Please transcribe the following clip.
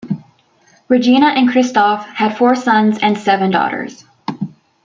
Regina and Christoph had four sons and seven daughters.